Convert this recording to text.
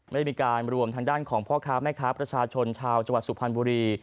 ไม่ได้มีการรวมทางด้านของพ่อค้าแม่ค้าประชาชนชาวจังหวัดสุพรรณบุรี